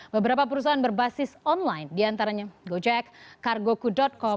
beberapa perusahaan berbasis online diantaranya gojek kargoku com